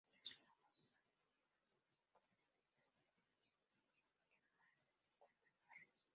Três Lagoas está dividió en cinco distritos y estos en más de cincuenta barrios.